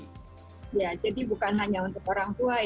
di indonesia kesehatan tersebut tidak hanya untuk orang tua